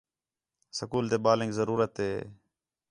سکول تے ٻالینک ضرورت ہے